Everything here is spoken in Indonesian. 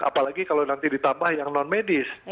apalagi kalau nanti ditambah yang non medis